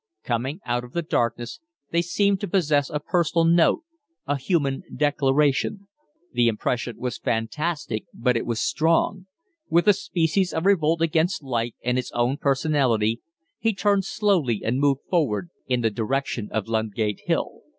Coming out of the darkness, they seemed to possess a personal note, a human declaration. The impression was fantastic, but it was strong; with a species of revolt against life and his own personality, he turned slowly and moved forward in the direction of Ludgate Hill.